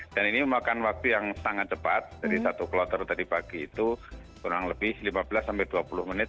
dan ini memakan waktu yang sangat cepat dari satu kloter tadi pagi itu kurang lebih lima belas dua puluh menit